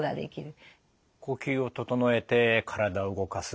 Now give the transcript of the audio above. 呼吸を整えて体を動かす。